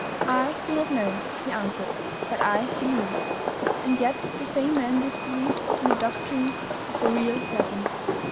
"I do not know," he answered; "but I believe." And yet the same man disbelieved in the doctrine of the Real Presence.